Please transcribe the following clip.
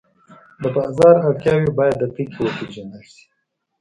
د بازار اړتیاوې باید دقیقې وپېژندل شي.